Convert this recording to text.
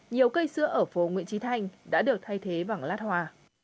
nhiều cây sữa ở phố nguyễn trí thanh đã được thay thế bằng lát hoa